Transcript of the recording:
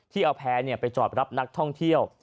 ที่เอาแพท่เนี่ยไปจอดรับนักท่องเที่ยว